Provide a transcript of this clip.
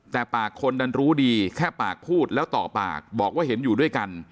แต่ปากคนดันรู้ดีแค่ปากพูดแล้วต่อปากบอกว่าเห็นอยู่ด้วยกัน